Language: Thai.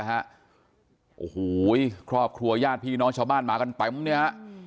โอ้โหครอบครัวญาติพี่น้องชาวบ้านมากันไปมั้งนี้